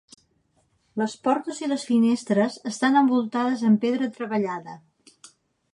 Les portes i les finestres estan envoltades amb pedra treballada.